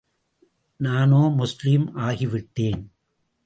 நானோ முஸ்லிம் ஆகிவிட்டேன்.